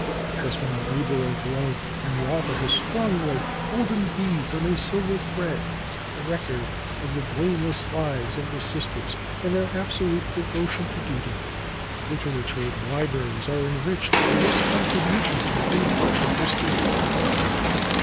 It has been a labor of love, and the author has strung like golden beads on a silver thread the record of the blameless lives of the Sisters and their absolute devotion to duty. Literature and libraries are enriched by this contribution to impartial history.